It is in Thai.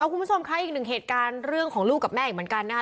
คุณผู้ชมคะอีกหนึ่งเหตุการณ์เรื่องของลูกกับแม่อีกเหมือนกันนะคะ